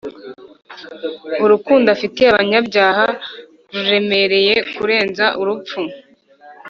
urukundo afitiye abanyabyaha ruremereye kurenza urupfu.